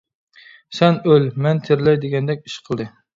سەن ئۆل، مەن تىرىلەي دېگەندەك ئىش قىلدى.